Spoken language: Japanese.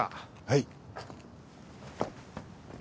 はい。